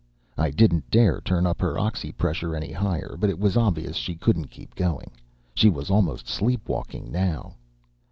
I didn't dare turn up her oxy pressure any higher, but it was obvious she couldn't keep going. She was almost sleep walking now.